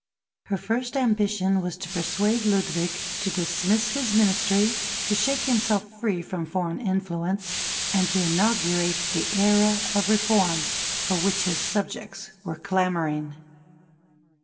Her first ambition was to persuade Ludwig to dismiss his Ministry, to shake himself free from foreign influence, and to inaugurate the era of reform for which his subjects were clamouring.